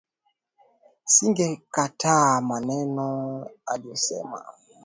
Singekataa maneno aliyosema.